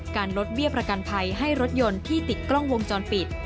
ลดเบี้ยประกันภัยให้รถยนต์ที่ติดกล้องวงจรปิด